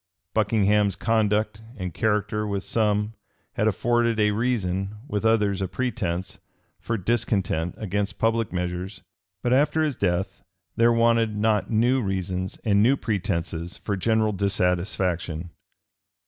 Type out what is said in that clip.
Buckingham's conduct and character with some had afforded a reason, with others a pretence, for discontent against public measures but after his death there wanted not new reasons and new pretences for general dissatisfaction.